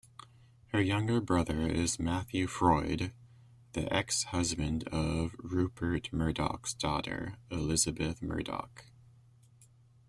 Her younger brother is Matthew Freud, the ex-husband of Rupert Murdoch's daughter Elisabeth Murdoch.